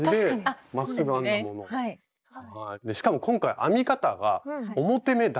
しかも今回編み方が表目だけという。